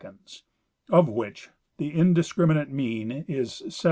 16 " Of which the indiscriminate mean is 17 m.